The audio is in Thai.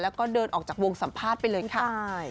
แล้วก็เดินออกจากวงสัมภาษณ์ไปเลยค่ะ